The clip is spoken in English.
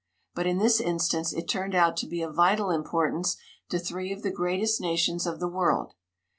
But in this instance it turned out to be of vital importance to three of the greatest nations of the world.